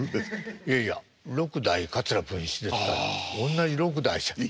いやいや６代桂文枝ですから同じ６代じゃない。